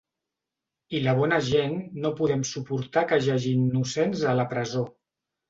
I la bona gent no podem suportar que hi hagi innocents a la presó.